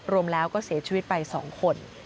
รวมแล้วก็เสียชีวิตไป๒คน